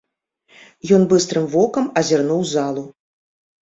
Ён быстрым вокам азірнуў залу.